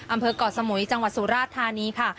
เกาะสมุยจังหวัดสุราชธานีค่ะ